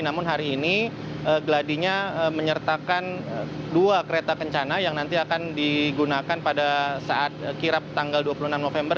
namun hari ini geladinya menyertakan dua kereta kencana yang nanti akan digunakan pada saat kirap tanggal dua puluh enam november